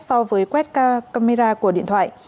so với quét camera của điện thoại